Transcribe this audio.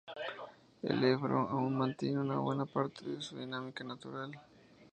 El Ebro aún mantiene buena parte de su dinámica natural.